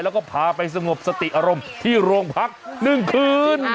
แล้วก็พาไปสงบสติอารมณ์ที่โรงพัก๑คืน